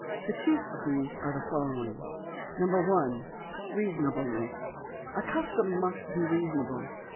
The chief of these are the following :— 1. Reasonableness. — A custom must be reasonable.